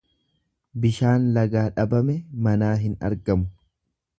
Bishaan lagaa dhabame manaa hin argamu.